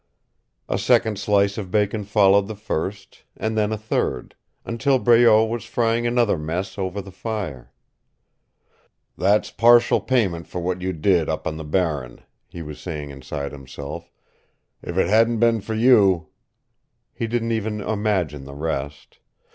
A second slice of bacon followed the first, and then a third until Breault was frying another mess over the fire. "That's partial payment for what you did up on the Barren," he was saying inside himself. "If it hadn't been for you " He didn't even imagine the rest.